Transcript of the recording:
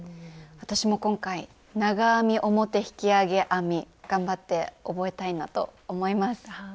私も今回長編み表引き上げ編み頑張って覚えたいなと思います。